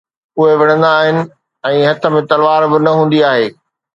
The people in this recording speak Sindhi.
اهي وڙهندا آهن ۽ هٿ ۾ تلوار به نه هوندي آهي